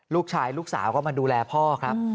ลูกสาวลูกสาวก็มาดูแลพ่อครับ